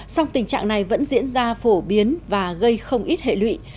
song tình trạng này vẫn diễn ra phổ biến và gây không ít hệ lụy